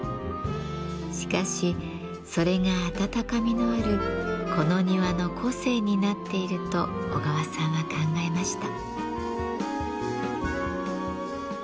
しかしそれが温かみのあるこの庭の個性になっていると小川さんは考えました。